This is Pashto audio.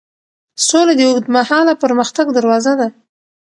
سوله د اوږدمهاله پرمختګ دروازه ده.